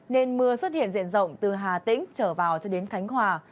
nên mưa xuất hiện diện rộng từ hà tĩnh trở vào cho đến khánh hòa